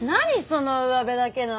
そのうわべだけの挨拶。